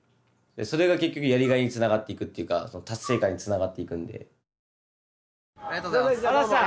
それが結局やりがいにつながっていくっていうか達成感につながっていくんで。